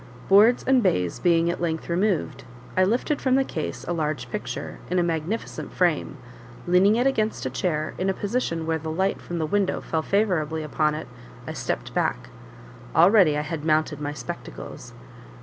Boards and baize being at length removed, I lifted from the case a large picture, in a magnificent frame; leaning it against a chair, in a position where the light from the window fell favourably upon it, I stepped back already I had mounted my spectacles.